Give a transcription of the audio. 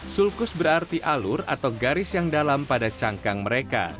sulkus berarti alur atau garis yang dalam pada cangkang mereka